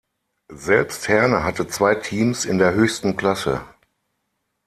Selbst Herne hatte zwei Teams in der höchsten Klasse.